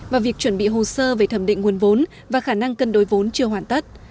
và việc chuẩn bị hồ sơ về thẩm định nguồn vốn và khả năng cân đối vốn chưa hoàn tất